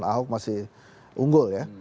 ahok masih unggul ya